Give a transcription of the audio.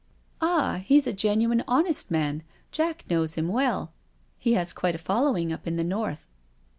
'* Ah^ he's a genuine honest man^ Jack knows him well. He has quite a following up in the North."